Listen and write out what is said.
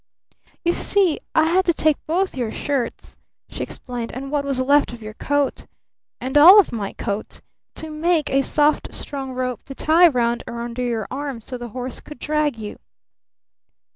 "You see I had to take both your shirts," she explained, "and what was left of your coat and all of my coat to make a soft, strong rope to tie round under your arms so the horse could drag you."